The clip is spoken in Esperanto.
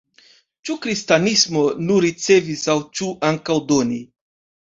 Ĉu kristanismo nur ricevis aŭ ĉu ankaŭ doni?